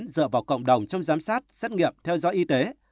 dựa vào cộng đồng trong giám sát xét nghiệm theo dõi y tế